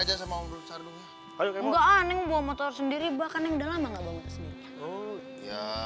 aja sama ombrus ardung enggak aning bawa motor sendiri bahkan yang dalamnya banget sendiri ya